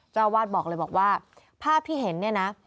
เจ้าอาวาสบอกเลยบอกว่าภาพที่เห็นเนี่ยนะ